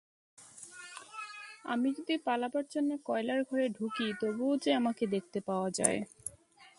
আমি যদি পালাবার জন্যে কয়লার ঘরে ঢুকি তবুও যে আমাকে দেখতে পাওয়া যায়।